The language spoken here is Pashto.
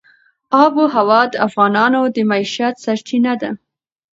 آب وهوا د افغانانو د معیشت سرچینه ده.